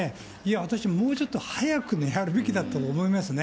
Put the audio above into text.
私、もうちょっと早くやるべきだと思いますね。